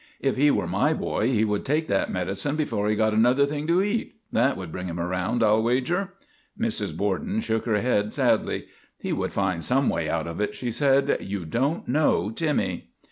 If he were my boy he would take that medicine before he got another thing to eat. That would bring him around, I '11 wager." Mrs. Borden shook her head sadly. " He would find some way out of it," she said. " You don't know Timmy."